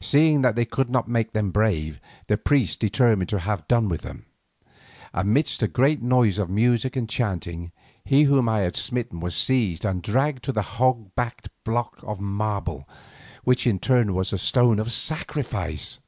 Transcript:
Seeing that they could not make them brave, the priests determined to have done with them. Amidst a great noise of music and chanting, he whom I had smitten was seized and dragged to the hog backed block of marble, which in truth was a stone of sacrifice.